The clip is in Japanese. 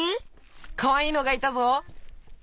かわいいのがいたぞ。